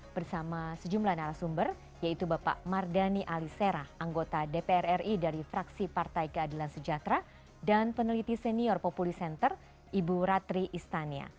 bersama sejumlah narasumber yaitu bapak mardani alisera anggota dpr ri dari fraksi partai keadilan sejahtera dan peneliti senior populi center ibu ratri istania